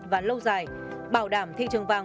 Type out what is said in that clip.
và lâu dài bảo đảm thị trường vàng